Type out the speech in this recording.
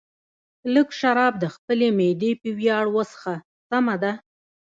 لږ شراب د خپلې معدې په ویاړ وڅښه، سمه ده.